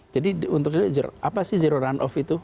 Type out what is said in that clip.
jadi untuk apa sih zero run off itu